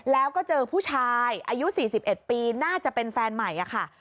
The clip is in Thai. แล้วก็เจอผู้ชายอายุ๔๑ปีน่าจะเป็นแฟนใหม่ค่ะ